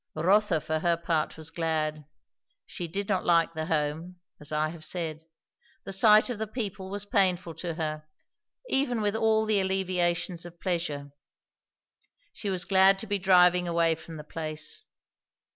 Rotha for her part was glad; she did not like the Home, as I have said; the sight of the people was painful to her, even with all the alleviations of pleasure. She was glad to be driving away from the place.